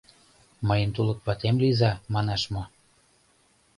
Мыйын тулык ватем лийза, манаш мо?